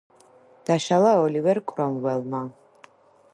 დაშალა ოლივერ კრომველმა.